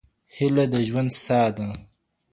هيله د ژوند ساه ده.